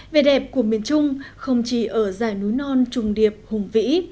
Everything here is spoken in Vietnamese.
về đẹp của miền trung không chỉ ở dài núi non trùng điệp hùng vĩ